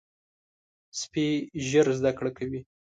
سپي ژر زده کړه کوي.